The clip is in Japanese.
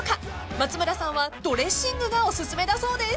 ［松村さんはドレッシングがお薦めだそうです］